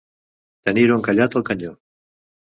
Tenir-ho encallat al canyó.